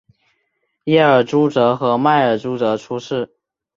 耶尔朱哲和迈尔朱哲出世。